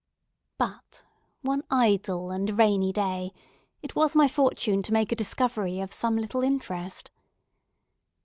But, one idle and rainy day, it was my fortune to make a discovery of some little interest.